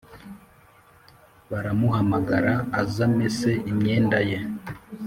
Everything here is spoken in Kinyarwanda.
Baramuhamagara azamese imyenda ye